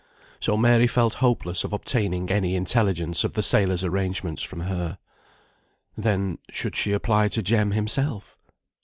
So Mary felt hopeless of obtaining any intelligence of the sailor's arrangements from her. Then, should she apply to Jem himself?